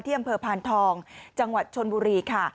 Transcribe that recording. อำเภอพานทองจังหวัดชนบุรีค่ะ